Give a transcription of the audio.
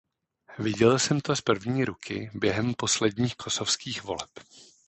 Viděl jsem to z první ruky během posledních kosovských voleb.